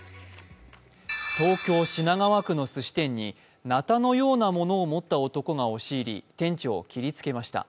東京・品川区のすし店になたのようなものを持った男が押し入り店長を切りつけました。